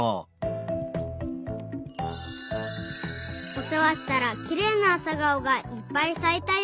おせわしたらきれいなあさがおがいっぱいさいたよ。